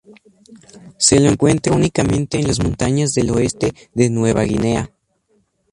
Se lo encuentra únicamente en las montañas del oeste de Nueva Guinea.